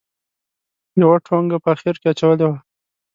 یوه ټونګه په اخره کې اچولې وه.